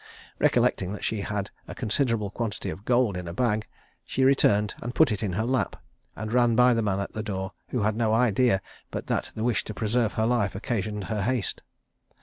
Recollecting that she had a considerable quantity of gold in a bag, she returned and put it in her lap, and ran by the man at the door, who had no idea but that the wish to preserve her life occasioned her haste.